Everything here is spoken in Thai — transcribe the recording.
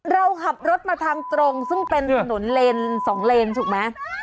เราขับรถมาทางตรงซึ่งเป็นถนนเลน๒เลนถูกไหม